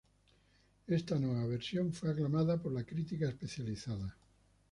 Esta nueva versión fue aclamada por la crítica especializada.